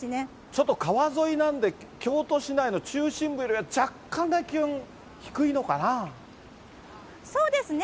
ちょっと川沿いなんで、京都市内の中心部よりは若干、そうですね。